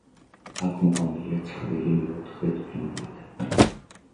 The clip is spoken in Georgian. აქ მოყვანილია ცხრილი მეოთხედფინალიდან.